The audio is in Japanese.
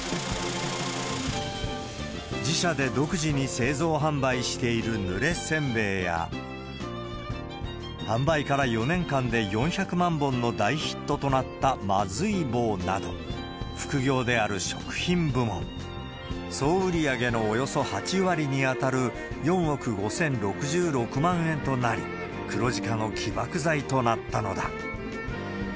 自社で独自に製造・販売しているぬれせんべいや、販売から４年間で４００万本の大ヒットとなったまずい棒など、副業である食品部門、総売り上げのおよそ８割に当たる４億５０６６万円となり、黒字化の起爆剤となったのだ。